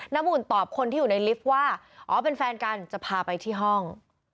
อุ่นตอบคนที่อยู่ในลิฟต์ว่าอ๋อเป็นแฟนกันจะพาไปที่ห้อง